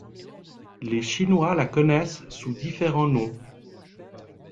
Les Chinois la connaissent sous différents noms.